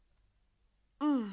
うん。